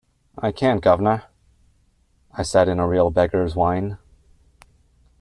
“I can’t, guv’nor,” I said in a real beggar’s whine.